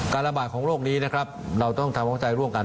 การระบาดของโรคนี้เราต้องทำความเข้าใจร่วมกัน